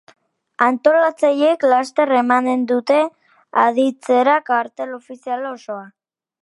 Antolatzaileek laster emanen dute aditzera kartel ofizial osoa.